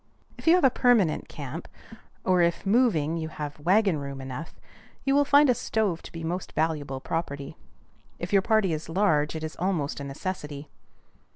If you have a permanent camp, or if moving you have wagon room enough, you will find a stove to be most valuable property. If your party is large it is almost a necessity.